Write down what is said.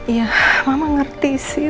ya mama ngerti sih